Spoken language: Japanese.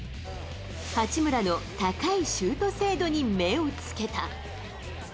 八村の高いシュート精度に目をつけた。